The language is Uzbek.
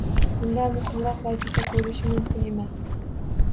Bundan muhimroq vazifa bo‘lishi mumkin emas.